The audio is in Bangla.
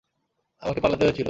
আমার পালাতে হয়েছিল।